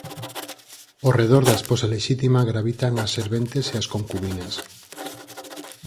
Ao redor da esposa lexítima gravitan as serventes e as concubinas.